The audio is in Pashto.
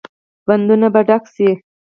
بندونه به ډک شي؟